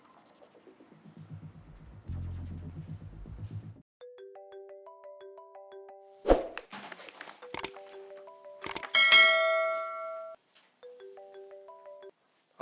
udah terserah mas